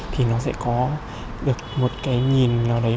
thì nó sẽ có được một cái nhìn nào đấy